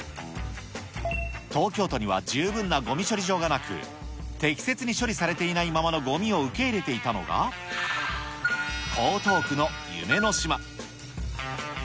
東京都には十分なごみ処理場がなく、適切に処理されていないままのごみを受け入れていたのが、江東区の夢の島。